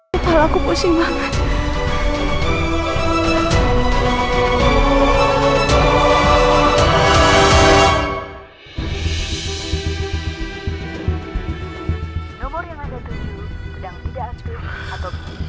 kepala aku pusing banget